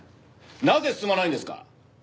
なぜ進まないんですか？